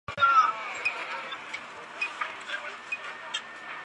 职业足球员全国联盟共同创立。